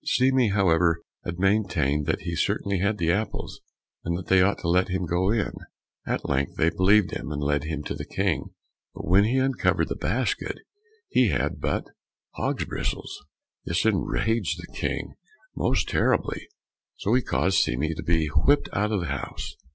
Seame, however, maintained that he certainly had the apples, and that they ought to let him go in. At length they believed him, and led him to the King. But when he uncovered the basket, he had but hogs' bristles. This enraged the King most terribly, so he caused Seame to be whipped out of the house.